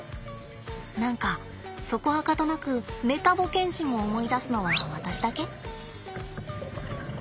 何かそこはかとなくメタボ検診を思い出すのは私だけ？